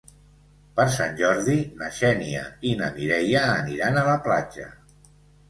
Per Sant Jordi na Xènia i na Mireia aniran a la platja.